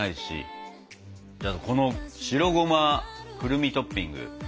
じゃあこの白ゴマくるみトッピング。